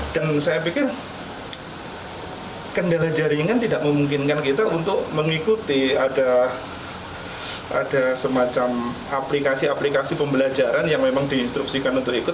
dan saya pikir kendala jaringan tidak memungkinkan kita untuk mengikuti ada semacam aplikasi aplikasi pembelajaran yang memang diinstruksikan untuk ikut